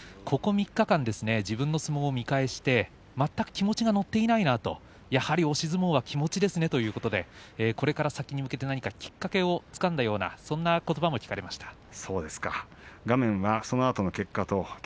ここ３日間、自分の相撲を見返して全く気持ちが乗っていないなと、やはり押し相撲は気持ちですねということでこれから先に向けて何かきっかけをつかんだようなそんなことばが聞かれました。